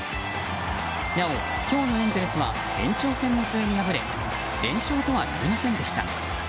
なお今日のエンゼルスは延長戦の末に敗れ連勝とはなりませんでした。